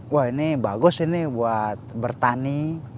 wah ini bagus ini buat bertani